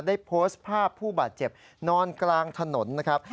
ได้โพสต์ภาพผู้บาดเจ็บนอนกลางถนนนะครับ